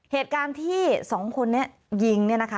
เหตุการณ์ที่๒คนนี้ยิง